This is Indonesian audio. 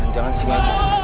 jangan jangan sih ngajak